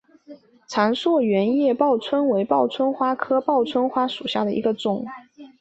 长蒴圆叶报春为报春花科报春花属下的一个种。